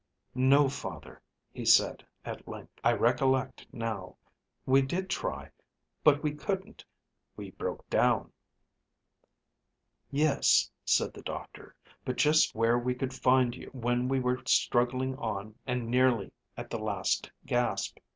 "No, father," he said at length; "I recollect now. We did try, but we couldn't. We broke down." "Yes," said the doctor; "but just where we could find you when we were struggling on and nearly at the last gasp."